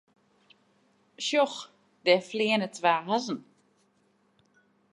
Sjoch, dêr fleane twa hazzen.